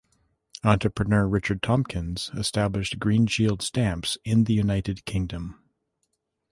Entrepreneur Richard Tompkins established Green Shield Stamps in the United Kingdom.